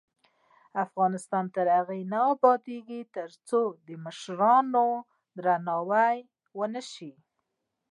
افغانستان تر هغو نه ابادیږي، ترڅو د مشرانو درناوی ونشي.